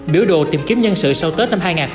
biểu đồ tìm kiếm nhân sự sau tết hai nghìn hai mươi hai